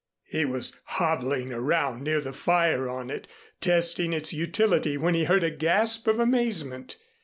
He was hobbling around near the fire on it, testing its utility when he heard a gasp of amazement.